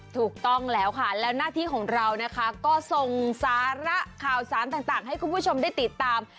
ถูกต้องแล้วค่ะแล้วหน้าที่ของเรานะคะก็ส่งสาระข่าวสารต่างให้คุณผู้ชมได้ติดตาม